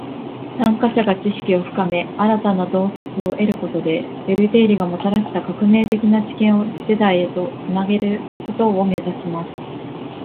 参加者が知識を深め，新たな洞察を得ることで，ベル定理がもたらした革命的な知見を次世代へと繋げることを目指します．